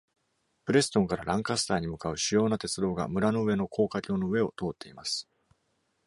プレストンからランカスターに向かう主要な鉄道が、村の上の高架橋の上を通っています。